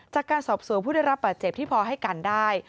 จากการสอบสวนผู้ได้รับบาดเจ็บที่พอให้กันได้